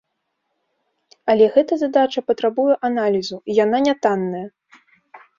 Але гэта задача патрабуе аналізу, і яна нятанная.